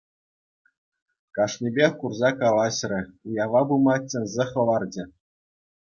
Кашнинпех курса калаҫрӗ, уява пыма чӗнсе хӑварчӗ.